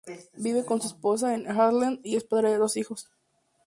Vive con su esposa en Erlangen y es padre de dos hijos.